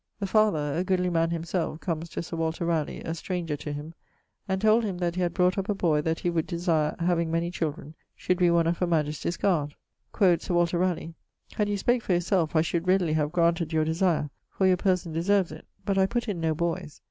The father (a goodly man himselfe) comes to Sir Walter Raleigh a stranger to him, and told him that he had brought up a boy that he would desire (having many children) should be one of her majestie'sguard. Quod Sir Walter Raleigh 'Had you spake for your selfe I should readily have graunted your desire, for your person deserves it, but I putt in no boyes.'